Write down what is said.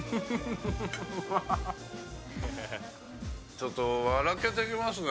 ちょっと笑けてきますね。